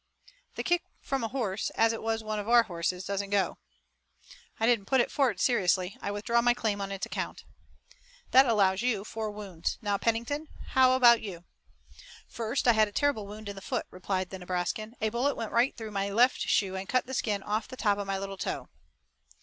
"The kick from a horse, as it was one of our horses, doesn't go." "I didn't put it forward seriously. I withdraw my claim on its account." "That allows you four wounds. Now, Pennington, how about you?" "First I had a terrible wound in the foot," replied the Nebraskan. "A bullet went right through my left shoe and cut the skin off the top of my little toe."